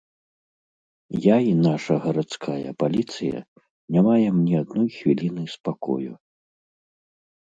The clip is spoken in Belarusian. Я і наша гарадская паліцыя не маем ні адной хвіліны спакою.